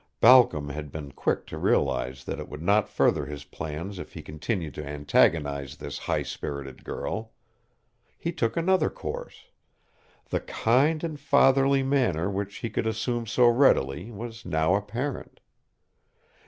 Balcom had been quick to realize that it would not further his plans if he continued to antagonize this high spirited girl. He took another course. The kind and fatherly manner which he could assume so readily was now apparent.